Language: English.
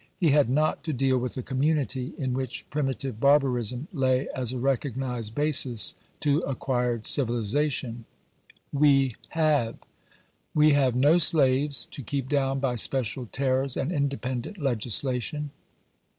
He had not to deal with a community in which primitive barbarism lay as a recognised basis to acquired civilisation. WE HAVE. We have no slaves to keep down by special terrors and independent legislation.